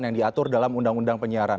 yang diatur dalam undang undang penyiaran